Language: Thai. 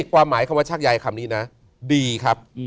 ความหมายคำว่าชักใยคำนี้นะดีครับ